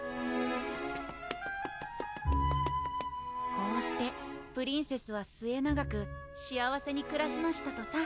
「こうしてプリンセスは末永く幸せにくらしましたとさ」